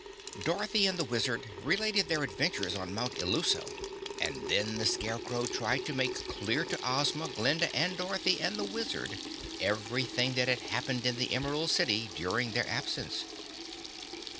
Dorothy and the Wizard related their adventures on Mount Illuso, and then the Scarecrow tried to make clear to Ozma, Glinda and Dorothy and the Wizard everything that had happened in the Emerald City during their absence.